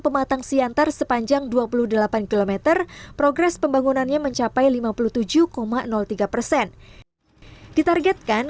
pematang siantar sepanjang dua puluh delapan km progres pembangunannya mencapai lima puluh tujuh tiga persen ditargetkan